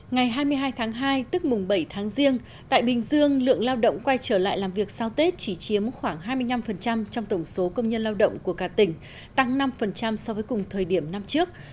ngày hai mươi hai tháng hai tức mùng bảy tháng riêng tại bình dương lượng lao động quay trở lại làm việc sau tết chỉ chiếm khoảng hai mươi năm trong tổng số công nhân lao động của cả tỉnh tăng năm so với cùng thời điểm năm trước